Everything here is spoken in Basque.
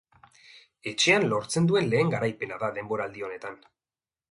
Etxean lortzen duen lehen garaipena da denboraldi honetan.